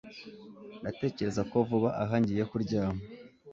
Ndatekereza ko vuba aha ngiye kuryama